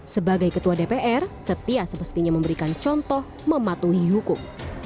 sebagai ketua dpr setia semestinya memberikan contoh mematuhi hukum